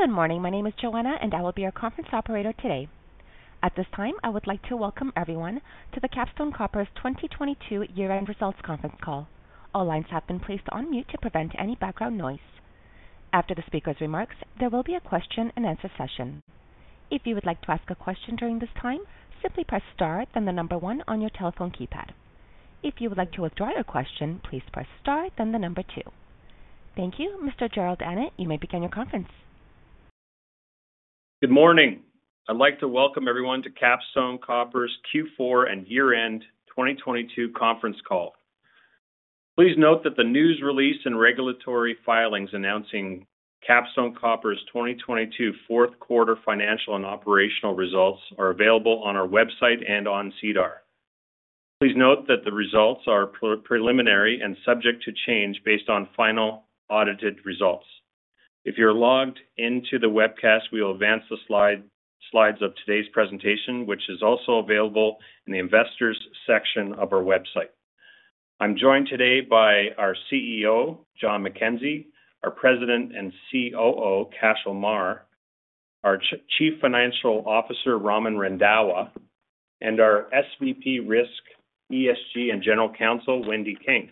Good morning. My name is Joanna, and I will be your conference operator today. At this time, I would like to welcome everyone to the Capstone Copper's 2022 year-end results conference call. All lines have been placed on mute to prevent any background noise. After the speaker's remarks, there will be a Q&A session. If you would like to ask a question during this time, simply press star then 1 on your telephone keypad. If you would like to withdraw your question, please press star then 2. Thank you. Mr. Jerrold Annett, you may begin your conference. Good morning. I'd like to welcome everyone to Capstone Copper's Q4 and year-end 2022 conference call. Please note that the news release and regulatory filings announcing Capstone Copper's 2022 Q4 financial and operational results are available on our website and on SEDAR. Please note that the results are preliminary and subject to change based on final audited results. If you're logged into the webcast, we will advance the slides of today's presentation, which is also available in the investors section of our website. I'm joined today by our CEO, John MacKenzie, our President and COO, Cashel Meagher, our Chief Financial Officer, Raman Randhawa, and our SVP, Risk, ESG, and General Counsel, Wendy King.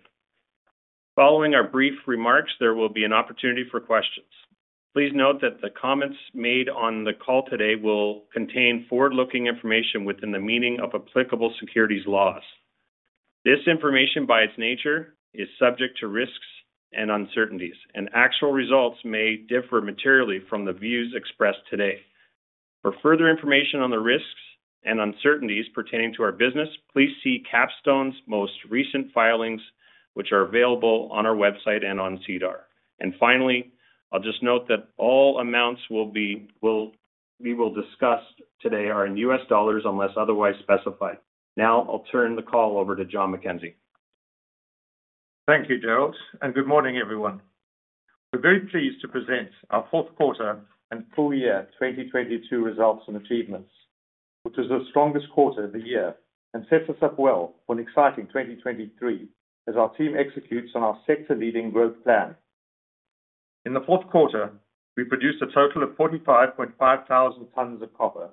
Following our brief remarks, there will be an opportunity for questions. Please note that the comments made on the call today will contain forward-looking information within the meaning of applicable securities laws. This information, by its nature, is subject to risks and uncertainties, actual results may differ materially from the views expressed today. For further information on the risks and uncertainties pertaining to our business, please see Capstone's most recent filings, which are available on our website and on SEDAR. Finally, I'll just note that all amounts we will discuss today are in US dollars unless otherwise specified. Now I'll turn the call over to John MacKenzie. Thank you, Jerrold, and good morning, everyone. We're very pleased to present our Q4 and full year 2022 results and achievements, which is the strongest quarter of the year and sets us up well for an exciting 2023 as our team executes on our sector-leading growth plan. In the fourth quarter, we produced a total of 45,500 tons of copper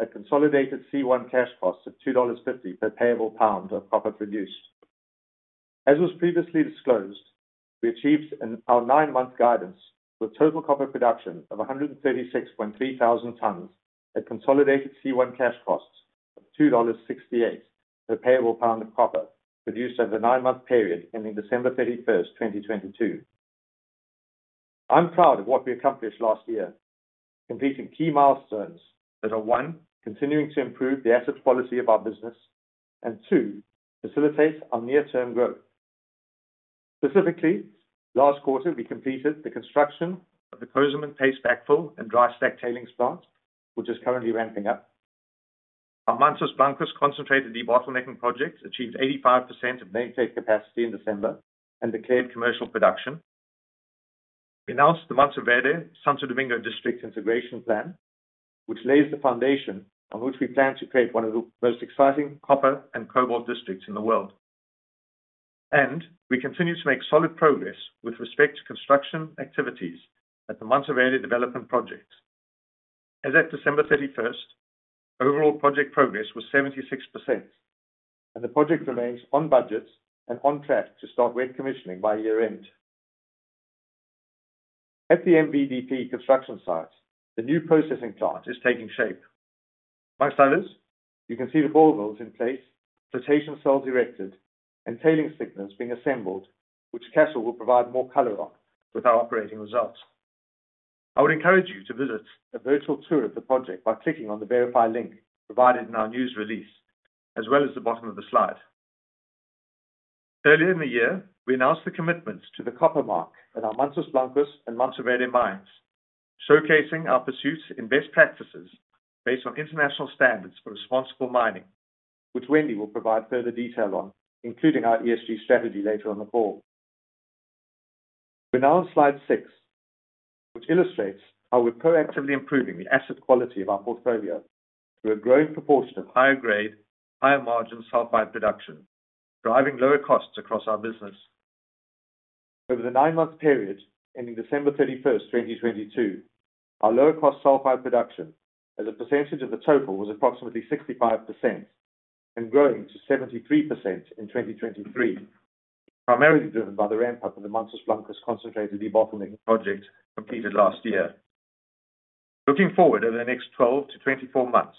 at consolidated C1 cash costs of $2.50 per payable pound of copper produced. As was previously disclosed, we achieved in our nine-month guidance with total copper production of 136,300 tons at consolidated C1 cash costs of $2.68 per payable pound of copper produced over the nine-month period ending December 31, 2022. I'm proud of what we accomplished last year, completing key milestones that are, one, continuing to improve the asset quality of our business and, two, facilitate our near-term growth. Specifically, last quarter, we completed the construction of the Cozamin paste backfill and dry stack tailings plant, which is currently ramping up. Our Mantos Blancos concentrated debottlenecking projects achieved 85% of nameplate capacity in December and declared commercial production. We announced the Mantoverde–Santo Domingo District Integration Plan, which lays the foundation on which we plan to create one of the most exciting copper and cobalt districts in the world. We continue to make solid progress with respect to construction activities at the Mantoverde Development Project. As at December 31st, overall project progress was 76%, and the project remains on budget and on track to start wet commissioning by year-end. At the MVDP construction site, the new processing plant is taking shape. Slide 5, you can see the ball mills in place, flotation cells erected, and tailings thickeners being assembled, which Cashel will provide more color on with our operating results. I would encourage you to visit a virtual tour of the project by clicking on the verify link provided in our news release, as well as the bottom of the slide. Earlier in the year, we announced the commitments to The Copper Mark at our Mantos Blancos and Mantoverde mines, showcasing our pursuits in best practices based on international standards for responsible mining, which Wendy will provide further detail on, including our ESG strategy later on the call. We're now on slide 6, which illustrates how we're proactively improving the asset quality of our portfolio through a growing proportion of higher-grade, higher-margin sulfide production, driving lower costs across our business. Over the 9-month period ending December 31, 2022, our lower-cost sulfide production as a percentage of the total was approximately 65% and growing to 73% in 2023, primarily driven by the ramp up in the Mantos Blancos concentrated debottlenecking project completed last year. Looking forward over the next 12-24 months,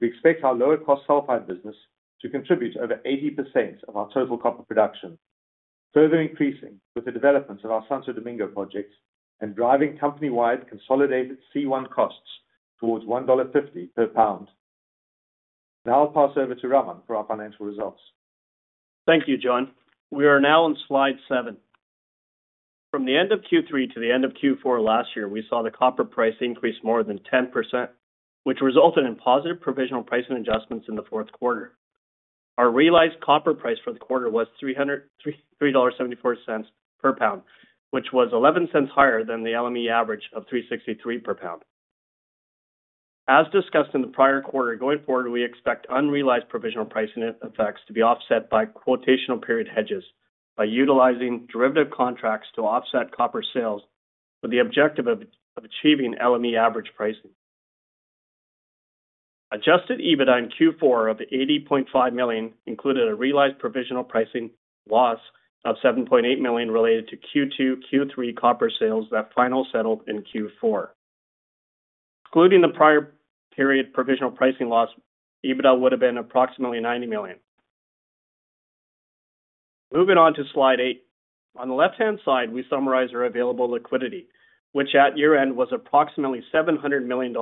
we expect our lower-cost sulfide business to contribute over 80% of our total copper production, further increasing with the developments of our Santo Domingo projects and driving company-wide consolidated C1 costs towards $1.50 per pound. I'll pass over to Raman for our financial results. Thank you, John. We are now on slide 7. From the end of Q3 to the end of Q4 last year, we saw the copper price increase more than 10%, which resulted in positive provisional pricing adjustments in the fourth quarter. Our realized copper price for the quarter was $3.74 per pound, which was $0.11 higher than the LME average of $3.63 per pound. As discussed in the prior quarter, going forward, we expect unrealized provisional pricing effects to be offset by quotational period hedges by utilizing derivative contracts to offset copper sales with the objective of achieving LME average pricing. Adjusted EBITDA in Q4 of $80.5 million included a realized provisional pricing loss of $7.8 million related to Q2, Q3 copper sales that final settled in Q4. Excluding the prior period provisional pricing loss, EBITDA would have been approximately $90 million. Moving on to slide 8. On the left-hand side, we summarize our available liquidity, which at year-end was approximately $700 million,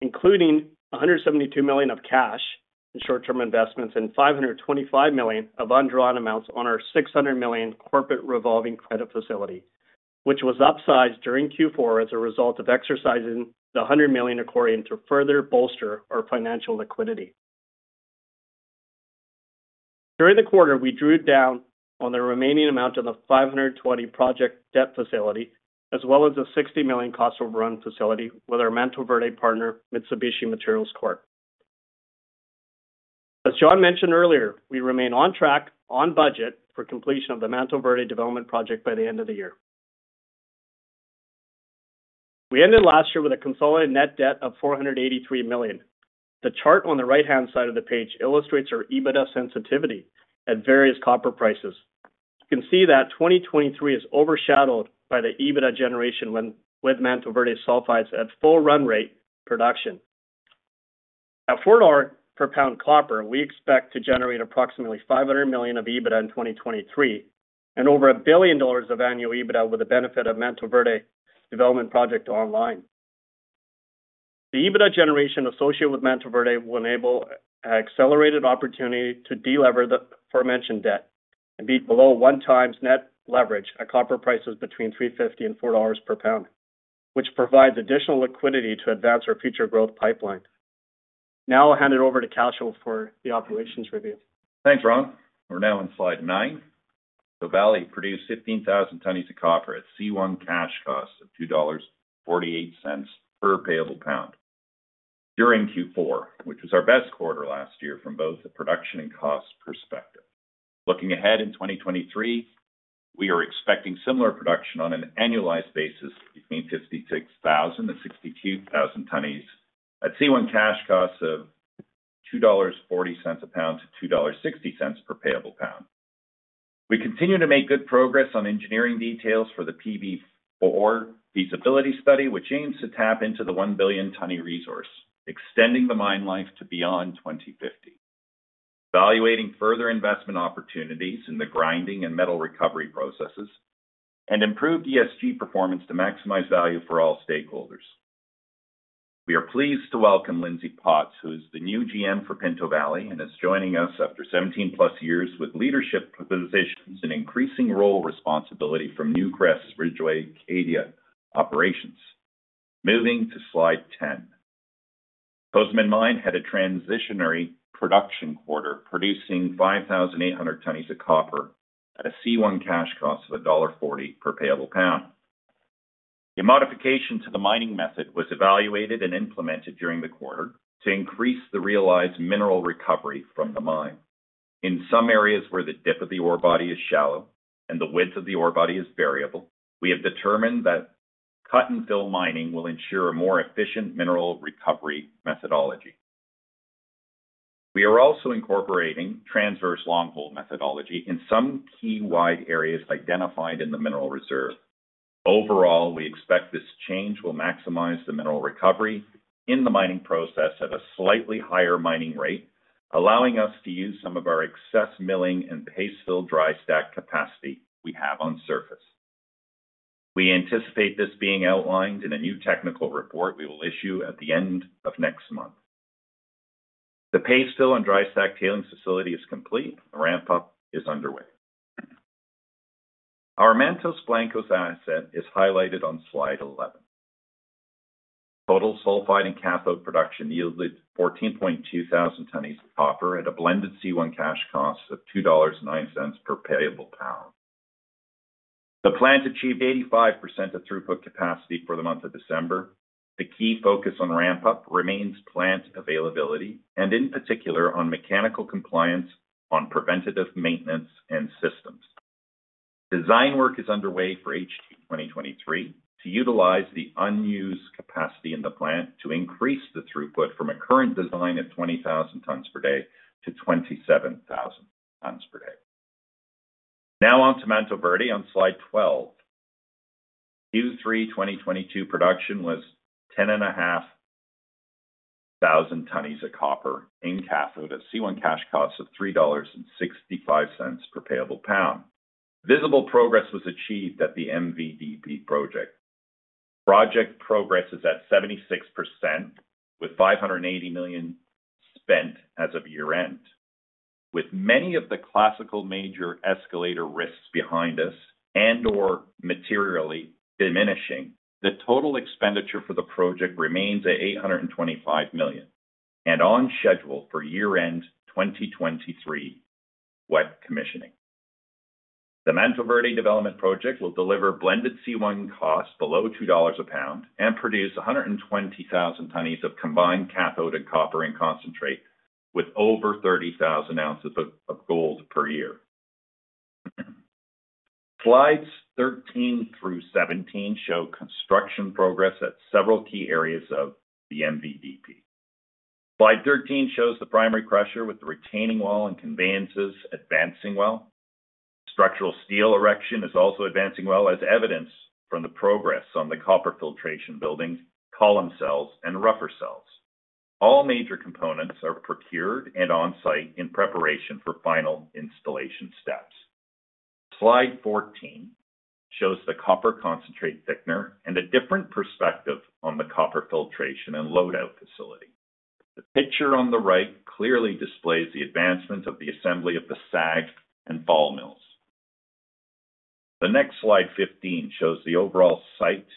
including $172 million of cash and short-term investments and $525 million of undrawn amounts on our $600 million corporate revolving credit facility, which was upsized during Q4 as a result of exercising the $100 million accordion to further bolster our financial liquidity. During the quarter, we drew down on the remaining amount of the $520 project debt facility, as well as a $60 million cost overrun facility with our Mantoverde partner, Mitsubishi Materials Corporation. As John mentioned earlier, we remain on track, on budget for completion of the Mantoverde Development Project by the end of the year. We ended last year with a consolidated net debt of $483 million. The chart on the right-hand side of the page illustrates our EBITDA sensitivity at various copper prices. You can see that 2023 is overshadowed by the EBITDA generation when with Mantoverde sulfides at full run rate production. At $4 per pound copper, we expect to generate approximately $500 million of EBITDA in 2023 and over $1 billion of annual EBITDA with the benefit of Mantoverde Development Project online. The EBITDA generation associated with Mantoverde will enable a accelerated opportunity to delever the aforementioned debt and be below 1 times net leverage at copper prices between $3.50 and $4 per pound, which provides additional liquidity to advance our future growth pipeline. Now I'll hand it over to Cashel for the operations review. Thanks, Ram. We're now on slide 9. Valley produced 15,000 tons of copper at C1 cash costs of $2.48 per payable pound during Q4, which was our best quarter last year from both the production and cost perspective. Looking ahead in 2023, we are expecting similar production on an annualized basis between 56,000 and 62,000 tons at C1 cash costs of $2.40-$2.60 per payable pound. We continue to make good progress on engineering details for the PV4 feasibility study, which aims to tap into the 1 billion ton resource, extending the mine life to beyond 2050. Evaluating further investment opportunities in the grinding and metal recovery processes, and improve ESG performance to maximize value for all stakeholders. We are pleased to welcome Lyndsay Potts, who is the new GM for Pinto Valley and is joining us after 17+ years with leadership positions and increasing role responsibility from Newcrest's Ridgeway, Cadia operations. Moving to slide 10. Cozamin Mine had a transitionary production quarter, producing 5,800 tonnes of copper at a C1 cash cost of $1.40 per payable pound. A modification to the mining method was evaluated and implemented during the quarter to increase the realized mineral recovery from the mine. In some areas where the dip of the ore body is shallow and the width of the ore body is variable, we have determined that cut and fill mining will ensure a more efficient mineral recovery methodology. We are also incorporating transverse long-hole methodology in some key wide areas identified in the mineral reserve. Overall, we expect this change will maximize the mineral recovery in the mining process at a slightly higher mining rate, allowing us to use some of our excess milling and paste fill dry stack capacity we have on surface. We anticipate this being outlined in a new technical report we will issue at the end of next month. The paste fill and dry stack tailings facility is complete. The ramp-up is underway. Our Mantos Blancos asset is highlighted on slide 11. Total sulfide and cathode production yielded 14.2 thousand tonnes of copper at a blended C1 cash cost of $2.09 per payable pound. The plant achieved 85% of throughput capacity for the month of December. The key focus on ramp-up remains plant availability, and in particular on mechanical compliance on preventative maintenance and systems. Design work is underway for H 2023 to utilize the unused capacity in the plant to increase the throughput from a current design of 20,000 tonnes per day to 27,000 tonnes per day. On to Mantoverde on slide 12. Q3 2022 production was 10,500 tonnes of copper in cathode at C1 cash costs of $3.65 per payable pound. Visible progress was achieved at the MVDP project. Project progress is at 76% with $580 million spent as of year-end. With many of the classical major escalator risks behind us and/or materially diminishing, the total expenditure for the project remains at $825 million and on schedule for year-end 2023 wet commissioning. The Mantoverde Development Project will deliver blended C1 cash costs below $2 a pound and produce 120,000 tonnes of combined cathode and copper and concentrate with over 30,000 ounces of gold per year. Slides 13 through 17 show construction progress at several key areas of the MVDP. Slide 13 shows the primary crusher with the retaining wall and conveyances advancing well. Structural steel erection is also advancing well as evidenced from the progress on the copper filtration buildings, column cells, and rougher cells. All major components are procured and on-site in preparation for final installation steps. Slide 14 shows the copper concentrate thickener and a different perspective on the copper filtration and load-out facility. The picture on the right clearly displays the advancement of the assembly of the SAG and ball mills. The next slide 15 shows the overall site,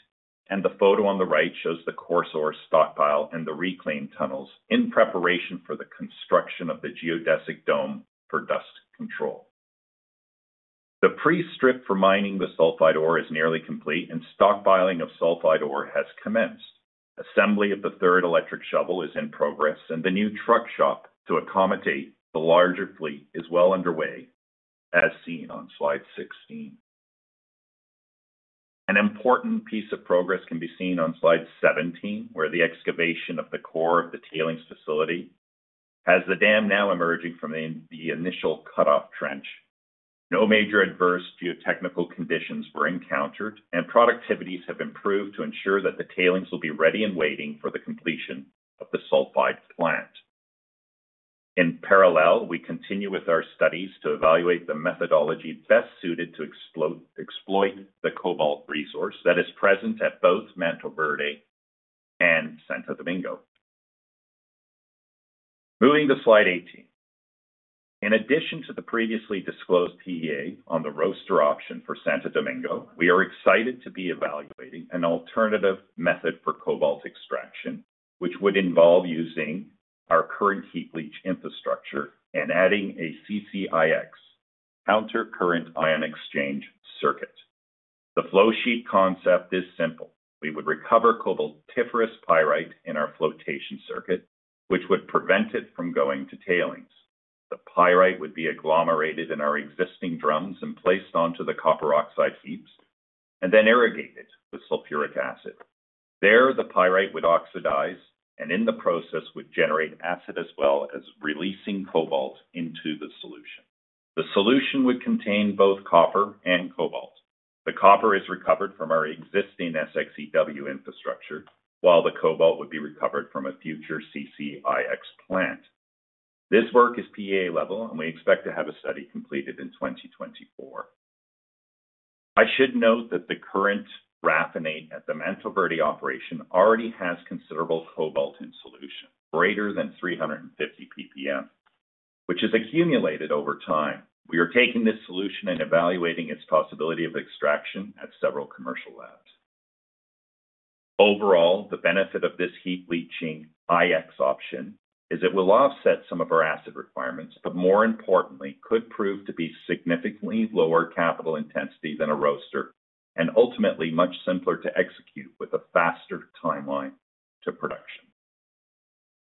and the photo on the right shows the coarse ore stockpile and the reclaimed tunnels in preparation for the construction of the geodesic dome for dust control. The pre-strip for mining the sulfide ore is nearly complete, and stockpiling of sulfide ore has commenced. Assembly of the third electric shovel is in progress, and the new truck shop to accommodate the larger fleet is well underway, as seen on slide 16. An important piece of progress can be seen on slide 17, where the excavation of the core of the tailings facility has the dam now emerging from the initial cutoff trench. No major adverse geotechnical conditions were encountered. Productivities have improved to ensure that the tailings will be ready and waiting for the completion of the sulfide plant. In parallel, we continue with our studies to evaluate the methodology best suited to exploit the cobalt resource that is present at both Mantoverde and Santo Domingo. Moving to slide 18. In addition to the previously disclosed PEA on the roaster option for Santo Domingo, we are excited to be evaluating an alternative method for cobalt extraction, which would involve using our current heat leach infrastructure and adding a CCIX, counter-current ion exchange circuit. The flow sheet concept is simple. We would recover cobaltiferous pyrite in our flotation circuit, which would prevent it from going to tailings. The pyrite would be agglomerated in our existing drums and placed onto the copper oxide heaps, and then irrigated with sulfuric acid. There, the pyrite would oxidize, and in the process would generate acid, as well as releasing cobalt into the solution. The solution would contain both copper and cobalt. The copper is recovered from our existing SXEW infrastructure, while the cobalt would be recovered from a future CCIX plant. This work is PEA level. We expect to have a study completed in 2024. I should note that the current raffinate at the Mantoverde operation already has considerable cobalt in solution, greater than 350 ppm, which has accumulated over time. We are taking this solution and evaluating its possibility of extraction at several commercial labs. Overall, the benefit of this heat leaching IX option is it will offset some of our asset requirements, but more importantly, could prove to be significantly lower capital intensity than a roaster, and ultimately much simpler to execute with a faster timeline to production.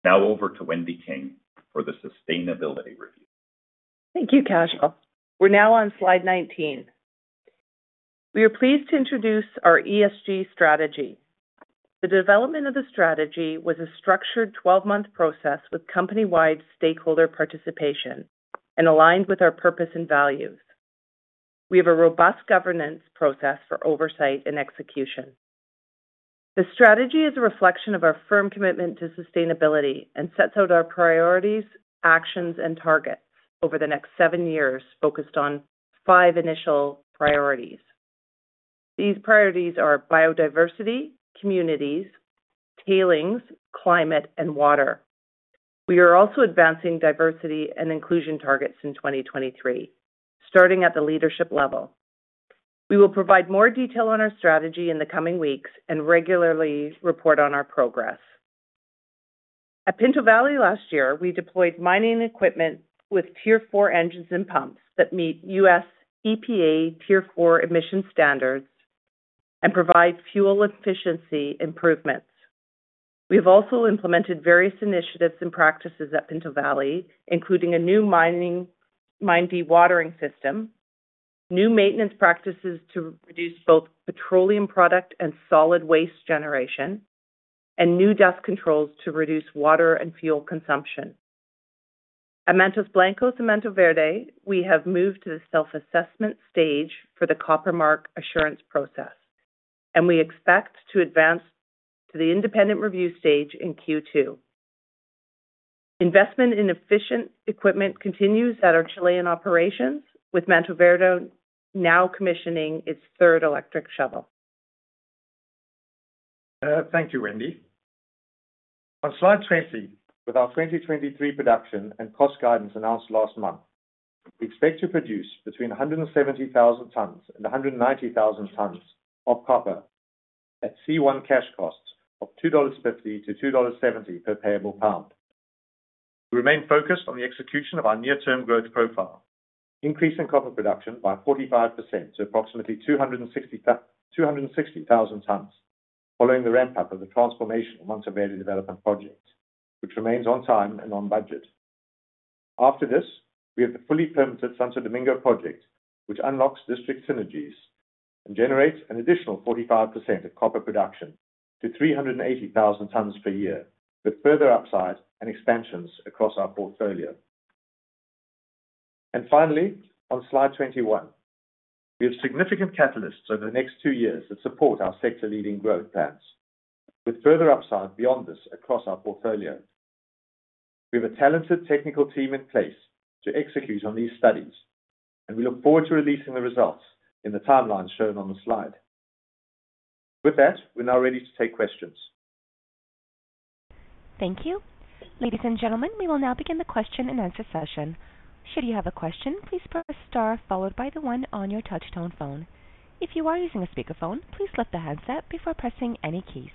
Over to Wendy King for the sustainability review. Thank you, Cashel. We're now on slide 19. We are pleased to introduce our ESG strategy. The development of the strategy was a structured 12-month process with company-wide stakeholder participation and aligned with our purpose and values. We have a robust governance process for oversight and execution. The strategy is a reflection of our firm commitment to sustainability and sets out our priorities, actions, and targets over the next 7 years focused on 5 initial priorities. These priorities are biodiversity, communities, tailings, climate, and water. We are also advancing diversity and inclusion targets in 2023, starting at the leadership level. We will provide more detail on our strategy in the coming weeks and regularly report on our progress. At Pinto Valley last year, we deployed mining equipment with Tier 4 engines and pumps that meet US EPA Tier 4 emission standards and provide fuel efficiency improvements. We have also implemented various initiatives and practices at Pinto Valley, including a new mine dewatering system, new maintenance practices to reduce both petroleum product and solid waste generation, and new dust controls to reduce water and fuel consumption. At Mantos Blancos and Mantoverde, we have moved to the self-assessment stage for The Copper Mark Assurance process, and we expect to advance to the independent review stage in Q2. Investment in efficient equipment continues at our Chilean operations, with Mantoverde now commissioning its third electric shovel. Thank you, Wendy. On slide 20, with our 2023 production and cost guidance announced last month, we expect to produce between 170,000 tonnes and 190,000 tonnes of copper at C1 cash costs of $2.50-$2.70 per payable pound. We remain focused on the execution of our near-term growth profile, increasing copper production by 45% to approximately 260,000 tons, following the ramp-up of the transformation of Mantoverde Development Project, which remains on time and on budget. After this, we have the fully permitted Santo Domingo project, which unlocks district synergies and generates an additional 45% of copper production to 380,000 tons per year, with further upside and expansions across our portfolio. Finally, on slide 21, we have significant catalysts over the next 2 years that support our sector-leading growth plans, with further upside beyond this across our portfolio. We have a talented technical team in place to execute on these studies, and we look forward to releasing the results in the timelines shown on the slide. With that, we're now ready to take questions. Thank you. Ladies and gentlemen, we will now begin the question-and-answer session. Should you have a question, please press star followed by 1 on your touch tone phone. If you are using a speakerphone, please lift the headset before pressing any keys.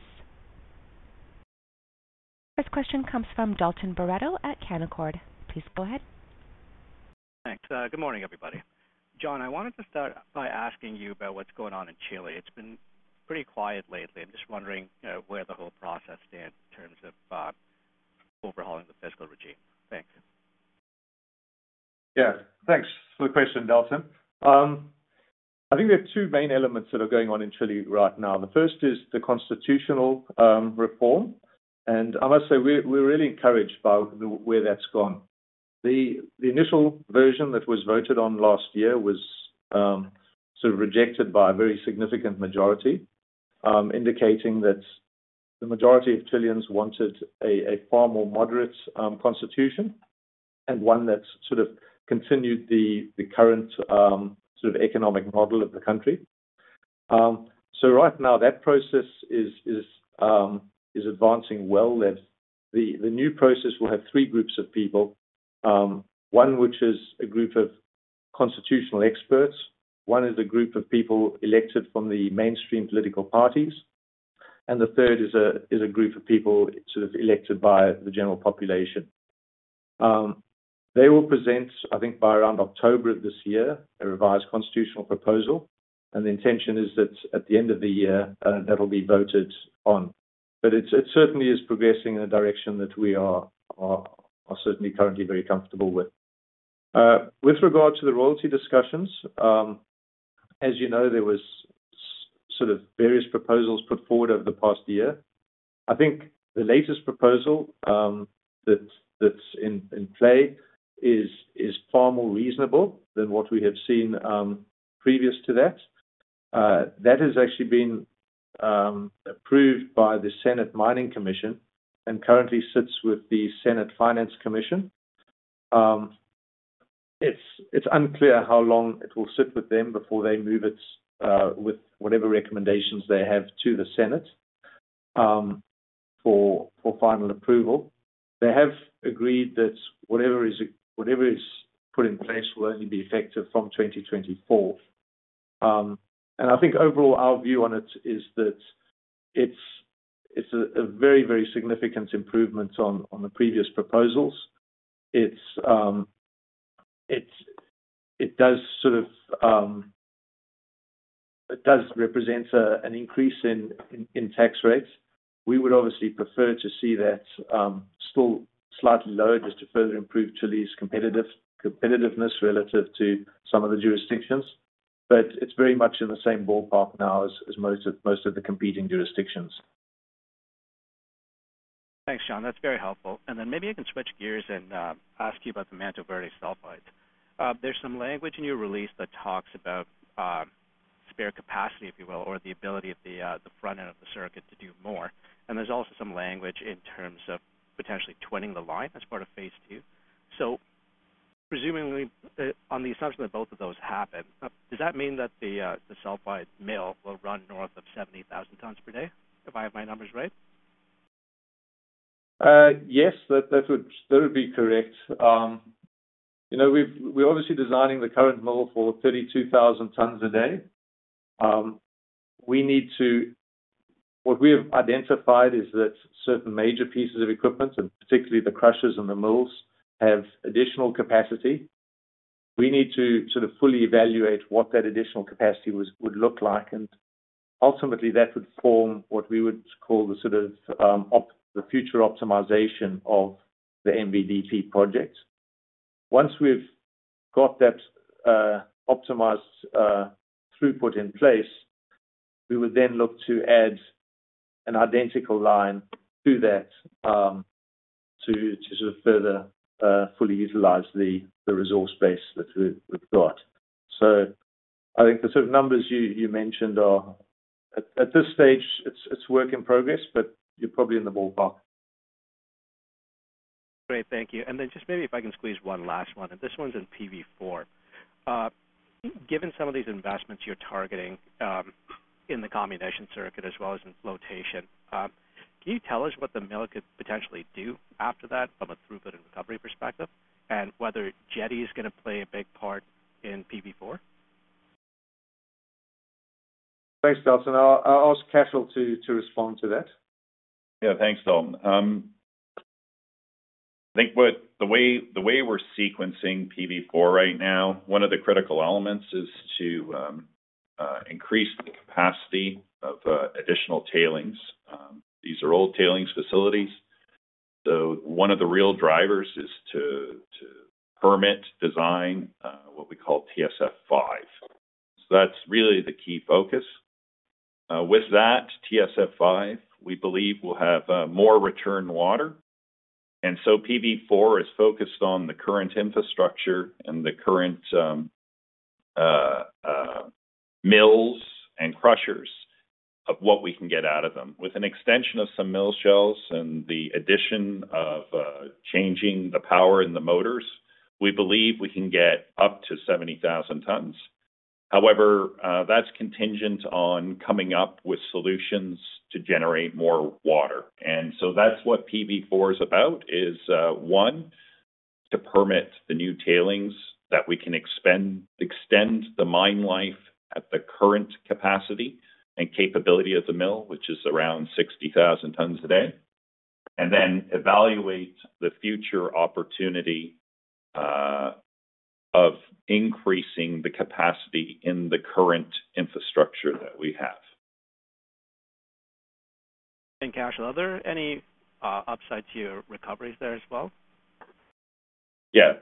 First question comes from Dalton Baretto at Canaccord. Please go ahead. Thanks. Good morning, everybody. John, I wanted to start by asking you about what's going on in Chile. It's been pretty quiet lately. I'm just wondering, where the whole process stands in terms of overhauling the fiscal regime. Thanks. Yeah. Thanks for the question, Dalton. I think we have two main elements that are going on in Chile right now. The first is the constitutional reform. I must say, we're really encouraged by where that's gone. The initial version that was voted on last year was sort of rejected by a very significant majority, indicating that the majority of Chileans wanted a far more moderate constitution and one that sort of continued the current sort of economic model of the country. Right now that process is advancing well. The new process will have 3 groups of people, one which is a group of constitutional experts, one is a group of people elected from the mainstream political parties, and the third is a group of people sort of elected by the general population. They will present, I think by around October of this year, a revised constitutional proposal, the intention is that at the end of the year, that'll be voted on. It certainly is progressing in a direction that we are certainly currently very comfortable with. With regard to the royalty discussions, as you know, there was sort of various proposals put forward over the past year. I think the latest proposal that's in play is far more reasonable than what we have seen previous to that. That has actually been approved by the Senate Mining Commission and currently sits with the Senate Finance Commission. It's unclear how long it will sit with them before they move it with whatever recommendations they have to the Senate for final approval. They have agreed that whatever is put in place will only be effective from 2024. And I think overall, our view on it is that it's a very, very significant improvement on the previous proposals. It does sort of, it does represent an increase in tax rates. We would obviously prefer to see that still slightly lower just to further improve Chile's competitiveness relative to some of the jurisdictions. It's very much in the same ballpark now as most of the competing jurisdictions. Thanks, John. That's very helpful. maybe I can switch gears and ask you about the Mantoverde sulfide. There's some language in your release that talks about spare capacity, if you will, or the ability of the front end of the circuit to do more. There's also some language in terms of potentially twinning the line as part of phase two. Presumably, on the assumption that both of those happen, does that mean that the sulfide mill will run north of 70,000 tons per day, if I have my numbers right? Yes. That would be correct. you know, we're obviously designing the current mill for 32,000 tons a day. We need to. What we have identified is that certain major pieces of equipment, and particularly the crushers and the mills, have additional capacity. We need to sort of fully evaluate what that additional capacity would look like, and ultimately that would form what we would call the sort of the future optimization of the MVDP project. Once we've got that optimized throughput in place, we would then look to add an identical line to that to sort of further fully utilize the resource base that we've got. I think the sort of numbers you mentioned are at this stage it's work in progress, but you're probably in the ballpark. Great. Thank you. Then just maybe if I can squeeze one last one, and this one's in PV4. Given some of these investments you're targeting, in the comminution circuit as well as in flotation, can you tell us what the mill could potentially do after that from a throughput and recovery perspective, and whether Jetti is gonna play a big part in PV4? Thanks, Dalton. I'll ask Cashel to respond to that. Yeah, thanks, Dalton. I think the way we're sequencing PV4 right now, one of the critical elements is to increase the capacity of additional tailings. These are old tailings facilities. One of the real drivers is to permit design what we call TSF 5. That's really the key focus. With that TSF 5, we believe we'll have more return water. PV4 is focused on the current infrastructure and the current mills and crushers of what we can get out of them. With an extension of some mill shells and the addition of changing the power in the motors, we believe we can get up to 70,000 tons. That's contingent on coming up with solutions to generate more water. That's what PV4 is about, is, one, to permit the new tailings that we can extend the mine life at the current capacity and capability of the mill, which is around 60,000 tons a day, and then evaluate the future opportunity, of increasing the capacity in the current infrastructure that we have. Cashel, are there any upsides to your recoveries there as well? Yeah.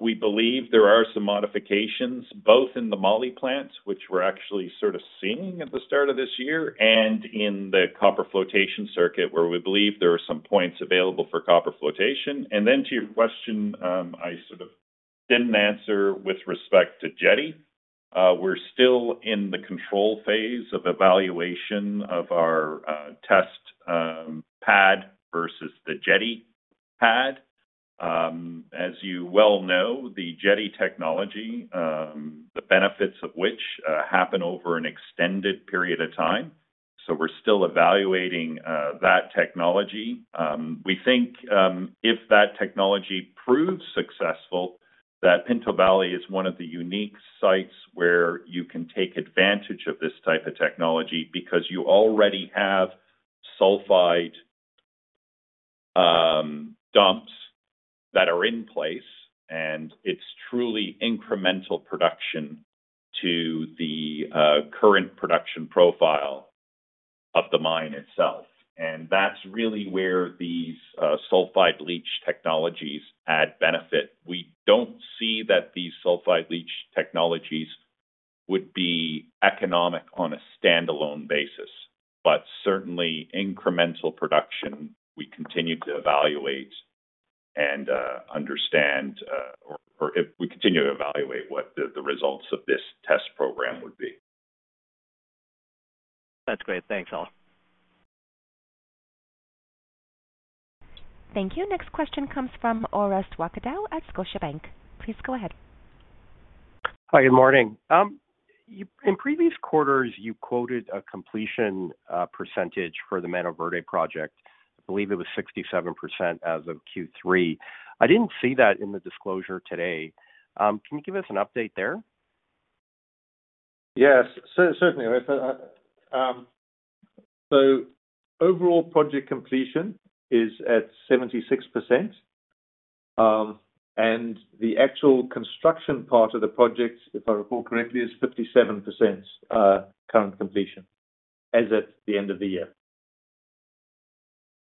We believe there are some modifications both in the moly plants, which we're actually sort of seeing at the start of this year, and in the copper flotation circuit, where we believe there are some points available for copper flotation. Then to your question, I sort of didn't answer with respect to Jetti. We're still in the control phase of evaluation of our test pad versus the Jetti pad. As you well know, the Jetti technology, the benefits of which happen over an extended period of time. We're still evaluating that technology. We think if that technology proves successful, that Pinto Valley is one of the unique sites where you can take advantage of this type of technology because you already have sulfide dumps that are in place, and it's truly incremental production to the current production profile of the mine itself. That's really where these sulfide leach technologies add benefit. We don't see that these sulfide leach technologies would be economic on a standalone basis. Certainly incremental production, we continue to evaluate and understand or if we continue to evaluate what the results of this test program would be. That's great. Thanks, Cashel. Thank you. Next question comes from Orest Wowkodaw at Scotiabank. Please go ahead. Hi, good morning. In previous quarters, you quoted a completion percentage for the Mantoverde project. I believe it was 67% as of Q3. I didn't see that in the disclosure today. Can you give us an update there? Yes, certainly, Orest. Overall project completion is at 76%, and the actual construction part of the project, if I recall correctly, is 57% current completion as at the end of the year.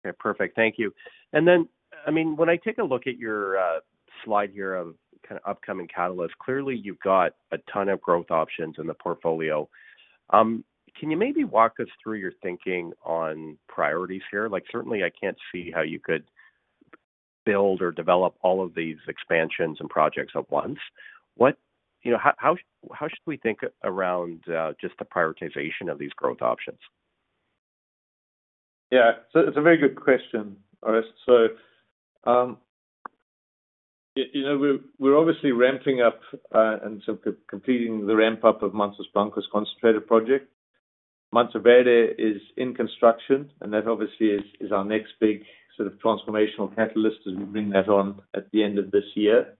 Okay, perfect. Thank you. I mean, when I take a look at your slide here of kind of upcoming catalyst, clearly you've got a ton of growth options in the portfolio. Can you maybe walk us through your thinking on priorities here? Like, certainly, I can't see how you could build or develop all of these expansions and projects at once. You know, how should we think around just the prioritization of these growth options? Yeah. It's a very good question, Orest. you know, we're obviously ramping up and sort of completing the ramp up of Mantos Blancos Concentrator Project. Mantoverde is in construction, and that obviously is our next big sort of transformational catalyst as we bring that on at the end of this year.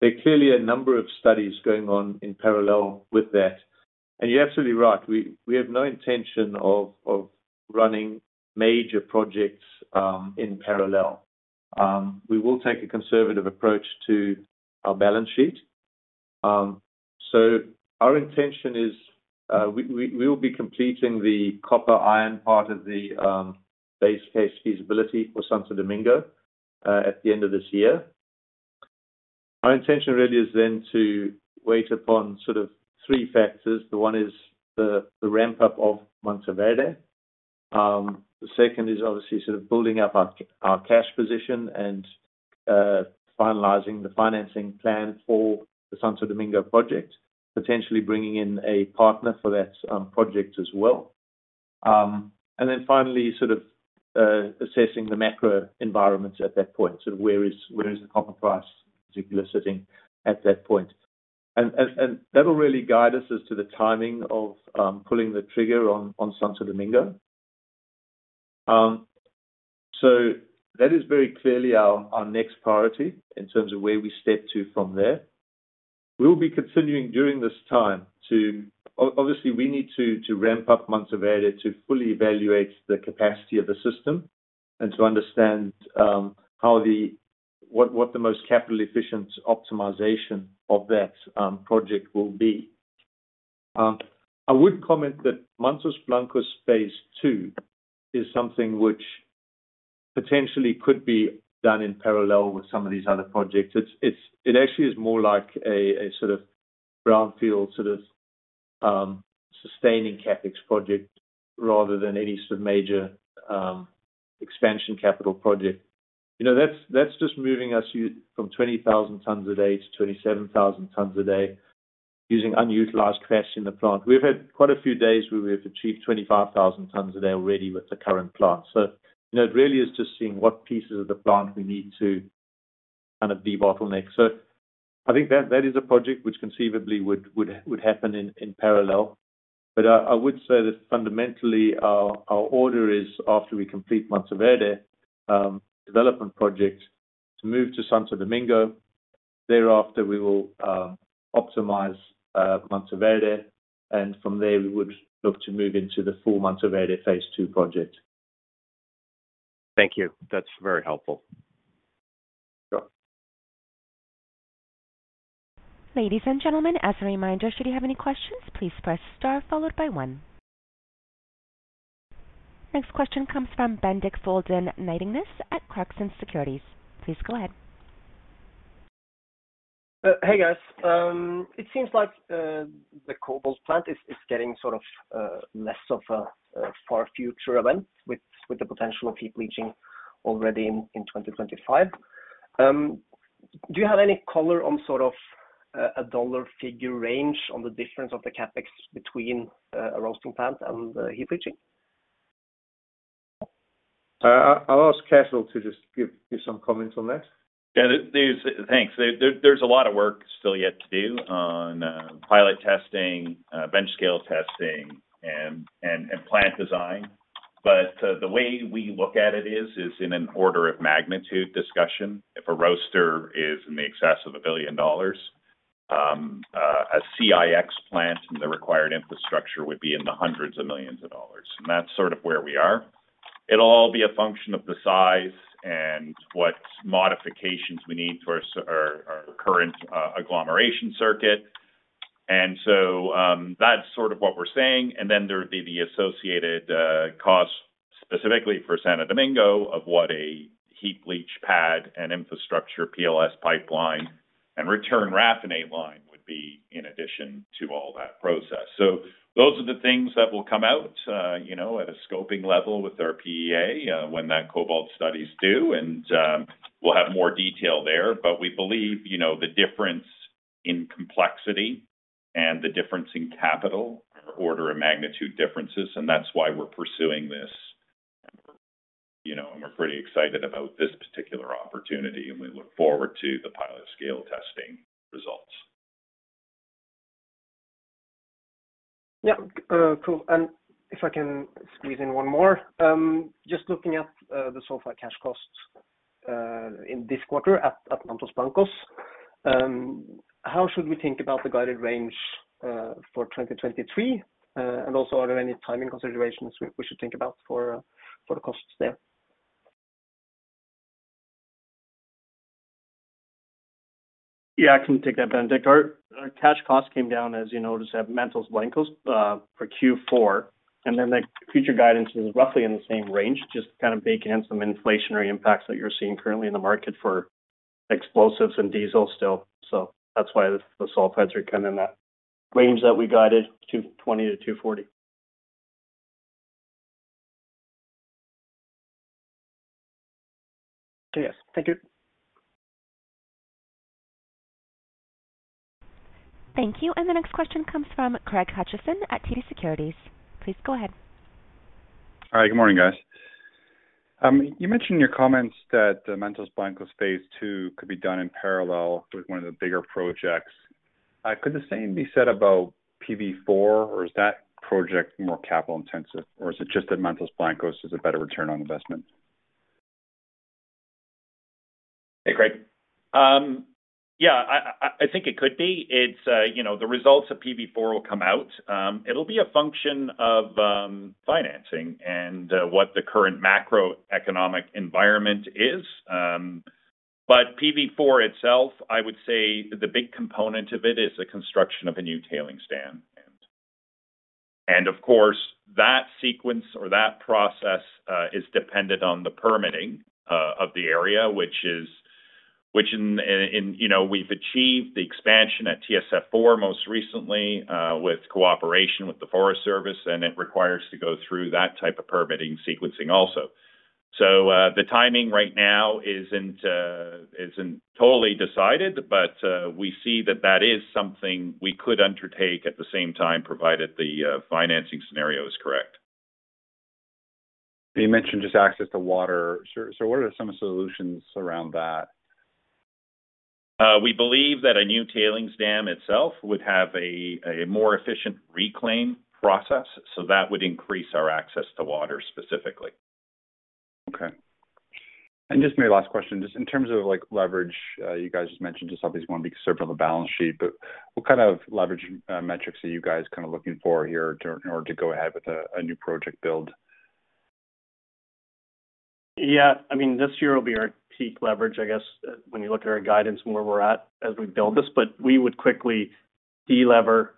There are clearly a number of studies going on in parallel with that. You're absolutely right, we have no intention of running major projects in parallel. We will take a conservative approach to our balance sheet. Our intention is we will be completing the copper iron part of the base case feasibility for Santo Domingo at the end of this year. Our intention really is then to wait upon sort of 3 factors. The one is the ramp-up of Mantoverde. The second is obviously sort of building up our cash position and finalizing the financing plan for the Santo Domingo project, potentially bringing in a partner for that project as well. Finally, sort of, assessing the macro environment at that point, sort of where is the copper price particularly sitting at that point. That'll really guide us as to the timing of pulling the trigger on Santo Domingo. That is very clearly our next priority in terms of where we step to from there. We will be continuing during this time to... Obviously, we need to ramp up Mantoverde to fully evaluate the capacity of the system and to understand how what the most capital efficient optimization of that project will be. I would comment that Mantos Blancos phase two is something which potentially could be done in parallel with some of these other projects. It actually is more like a sort of brownfield, sort of sustaining CapEx project rather than any sort of major expansion capital project. You know, that's just moving us from 20,000 tons a day to 27,000 tons a day using unutilized capacity in the plant. We've had quite a few days where we have achieved 25,000 tons a day already with the current plant. you know, it really is just seeing what pieces of the plant we need to kind of de-bottleneck. I think that is a project which conceivably would happen in parallel. I would say that fundamentally our order is after we complete Mantoverde Development Project to move to Santo Domingo. Thereafter we will optimize Mantoverde, and from there we would look to move into the full Mantoverde phase two project. Thank you. That's very helpful. Sure. Ladies and gentlemen, as a reminder, should you have any questions, please press star followed by one. Next question comes from Bendik Folden Nyttingnes at Clarksons Securities. Please go ahead. Hey, guys. It seems like the cobalt plant is getting sort of less of a far future event with the potential of heap leaching already in 2025. Do you have any color on sort of a $ figure range on the difference of the CapEx between a roasting plant and the heap leaching? I'll ask Cashel to just give you some comments on that. Yeah. Thanks. There's a lot of work still yet to do on pilot testing, bench scale testing and plant design. The way we look at it is in an order of magnitude discussion. If a roaster is in the excess of $1 billion, a CIX plant and the required infrastructure would be in the hundreds of millions of dollars. That's sort of where we are. It'll all be a function of the size and what modifications we need to our current agglomeration circuit. That's sort of what we're saying. There would be the associated costs specifically for Santo Domingo of what a heap leach pad and infrastructure PLS pipeline and return raffinate line would be in addition to all that process. Those are the things that will come out, you know, at a scoping level with our PEA, when that cobalt study's due. We'll have more detail there. We believe, you know, the difference in complexity and the difference in capital are order of magnitude differences, and that's why we're pursuing this. We're, you know, and we're pretty excited about this particular opportunity, and we look forward to the pilot scale testing results. Yeah. Cool. If I can squeeze in one more. Just looking at the sulfur cash costs in this quarter at Mantos Blancos, how should we think about the guided range for 2023? Also, are there any timing considerations we should think about for the costs there? Yeah. I can take that, Bendik. Our cash costs came down, as you noticed, at Mantos Blancos for Q4. The future guidance is roughly in the same range, just to kind of bake in some inflationary impacts that you're seeing currently in the market for explosives and diesel still. That's why the sulfites are kind of in that range that we guided, $2.20-$2.40. Okay. Yes. Thank you. Thank you. The next question comes from Craig Hutchison at TD Securities. Please go ahead. All right. Good morning, guys. You mentioned in your comments that the Mantos Blancos phase two could be done in parallel with one of the bigger projects. Could the same be said about PV4, or is that project more capital intensive, or is it just that Mantos Blancos is a better return on investment? Hey, Craig. Yeah, I think it could be. It's, you know, the results of PV4 will come out. It'll be a function of financing and what the current macroeconomic environment is. PV4 itself, I would say the big component of it is the construction of a new tailings dam. Of course, that sequence or that process is dependent on the permitting of the area, which in, you know, we've achieved the expansion at TSF 4 most recently with cooperation with the Forest Service, and it requires to go through that type of permitting sequencing also. The timing right now isn't totally decided, but we see that that is something we could undertake at the same time, provided the financing scenario is correct. You mentioned just access to water. What are some solutions around that? We believe that a new tailings dam itself would have a more efficient reclaim process. That would increase our access to water specifically. Okay. Just maybe last question, just in terms of, like, leverage, you guys just mentioned just obviously want to be conservative on the balance sheet, what kind of leverage metrics are you guys kind of looking for here in order to go ahead with a new project build? Yeah. I mean, this year will be our peak leverage, I guess, when you look at our guidance and where we're at as we build this. We would quickly de-lever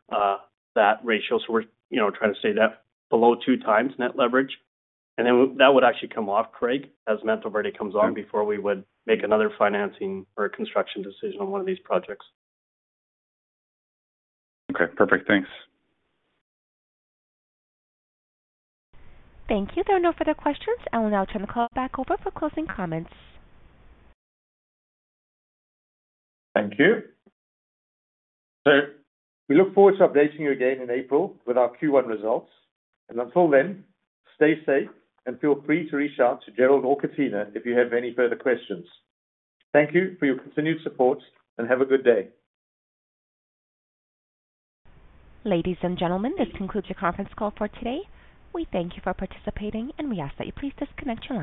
that ratio. We're, you know, trying to stay that below two times net leverage. That would actually come off, Craig, as Mantoverde comes on before we would make another financing or a construction decision on one of these projects. Okay. Perfect. Thanks. Thank you. There are no further questions. I will now turn the call back over for closing comments. Thank you. We look forward to updating you again in April with our Q1 results. Until then, stay safe and feel free to reach out to Jerrold or Katrina if you have any further questions. Thank you for your continued support, and have a good day. Ladies and gentlemen, this concludes your conference call for today. We thank you for participating. We ask that you please disconnect your lines.